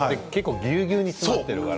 ぎゅうぎゅうに詰まっているから。